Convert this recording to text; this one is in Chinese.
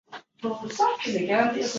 武亭早年到汉城求学。